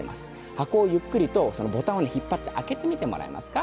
箱をゆっくりとそのボタンを引っ張って開けてみてもらえますか？